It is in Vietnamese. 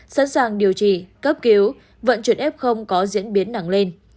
sẵn sàng điều trị cấp cứu vận chuyển f có diễn biến nặng lên